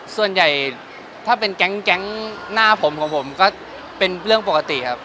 ส่วนใหญ่ถ้าเป็นแก๊งหน้าผมของผมก็เป็นเรื่องปกติครับ